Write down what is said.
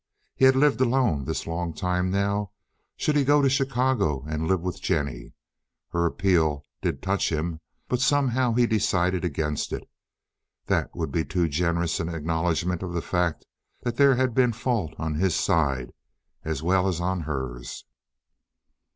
He had lived alone this long time now—should he go to Chicago and live with Jennie? Her appeal did touch him, but somehow he decided against it. That would be too generous an acknowledgment of the fact that there had been fault on his side as well as on hers.